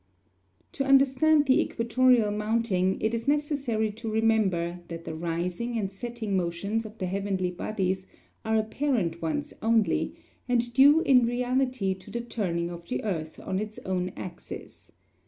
To understand the equatorial mounting it is necessary to remember that the rising and setting motions of the heavenly bodies are apparent ones only, and due in reality to the turning of the earth on its own axis.